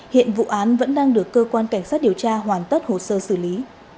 hiện vụ án vẫn đang được cơ quan cảnh sát điều tra hoàn tất hồ sơ xử lý